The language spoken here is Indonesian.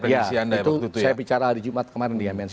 ya itu saya bicara hari jumat kemarin di mnc